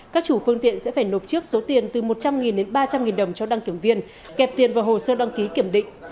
các chủ phương tiện sẽ phải nộp trước số tiền từ một trăm linh đến ba trăm linh đồng cho đăng kiểm viên kẹp tiền vào hồ sơ đăng ký kiểm định